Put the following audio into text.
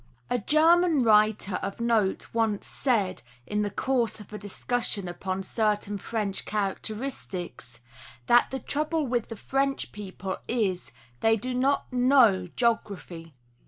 A GERMAN writer of note once said, in the course of discus sion upon certain French characteristics, that "the trouble with the French people is,—they do not know Geography."